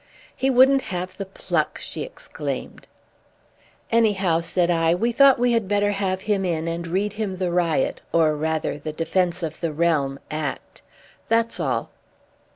"He wouldn't have the pluck," she exclaimed. "Anyhow," said I, "we thought we had better have him in and read him the Riot or rather the Defence of the Realm Act. That's all."